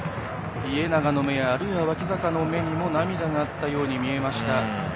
家長の目やあるいは脇坂の目にも涙があったように見えました。